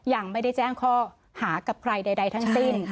ยังไม่ได้แจ้งข้อหากับใครใดทั้งสิ้น